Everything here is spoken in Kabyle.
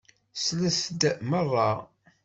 Slet-d meṛṛa!